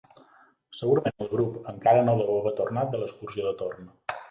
Segurament el grup encara no deu haver tornat de l'excursió de torn.